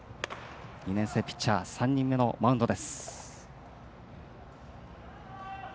２年生ピッチャー３人目のマウンドです。